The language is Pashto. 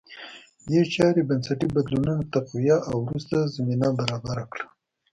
دې چارې بنسټي بدلونونه تقویه او وروسته زمینه برابره کړه